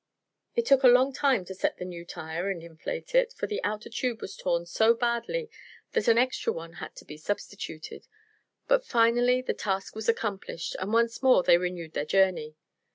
It took a long time to set the new tire and inflate it, for the outer tube was torn so badly that an extra one had to be substituted. But finally the task was accomplished and once more they renewed their journey.